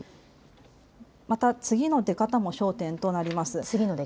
また次の出方も焦点となります。